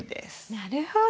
なるほど。